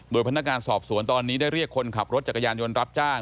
โดยพนักงานสอบสวนตอนนี้ได้เรียกคนขับรถจักรยานยนต์รับจ้าง